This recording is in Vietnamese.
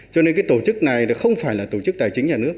cho nên cái tổ chức này không phải là tổ chức tài chính nhà nước